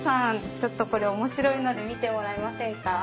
ちょっとこれ面白いので見てもらえませんか？